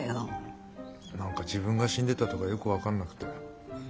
何か自分が死んでたとかよく分かんなくて。